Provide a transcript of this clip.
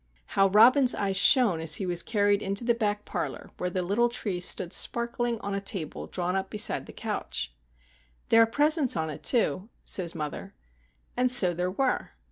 How Robin's eyes shone as he was carried into the back parlour, where the little tree stood sparkling on a table drawn up beside the couch! "There are presents on it, too," says mother. And so there were!